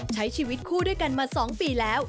ใช้ชีวิตคู่ด้วยกันมา๒ปีแล้ว